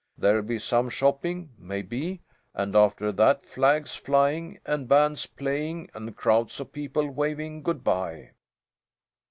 There'll be some shopping, maybe, and after that flags flying, and bands playing, and crowds of people waving good bye."